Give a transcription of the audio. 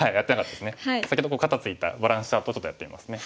先ほど肩ツイたバランスチャートをちょっとやってみますね。